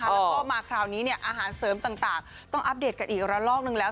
แล้วก็มาคราวนี้อาหารเสริมต่างต้องอัปเดตกันอีกระลอกนึงแล้ว